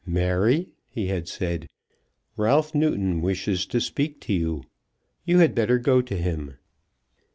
"Mary," he had said, "Ralph Newton wishes to speak to you. You had better go to him."